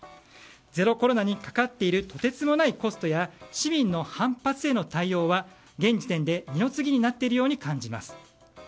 ゼロコロナにかかっているとてつもないコストや市民の反発への対応は現時点で二の次になっているように感じます。